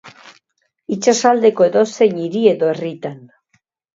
Itsasaldeko edozein hiri edo herritan.